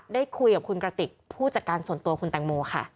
ได้คุยกับคุณกระติกผู้จัดการส่วนตัวคุณแตงโมค่ะ